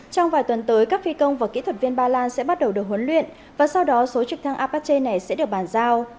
trong vài tuần tới các phi công và kỹ thuật viên ba lan sẽ bắt đầu được huấn luyện và sau đó số trực thăng apacy này sẽ được bàn giao